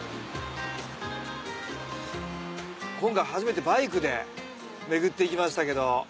今回初めてバイクで巡っていきましたけど